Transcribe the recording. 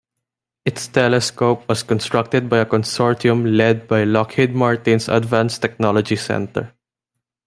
Its telescope was constructed by a consortium led by Lockheed Martin's Advanced Technology Center.